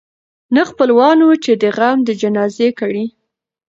نه خپلوان وه چي دي غم د جنازې کړي